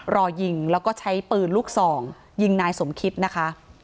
รอยิงแล้วก็ใช้ปืนลูกซองยิงนายสมคิดนะคะ